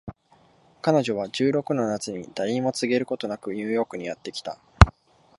彼女は十六の夏に誰にも告げることなくニューヨークにやって来た